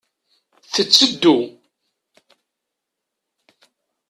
Tetteddu.